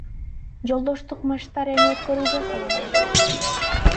Жолдоштук матчтар эми өткөрүлбөй калабы?